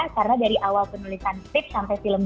karena dari awal penulisan skrip sampai film berikutnya